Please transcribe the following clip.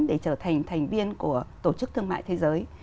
để trở thành thành viên của tổ chức thương mại thế giới